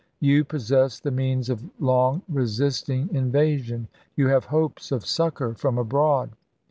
" You possess the means of long resisting invasion. You have hopes of succor from abroad.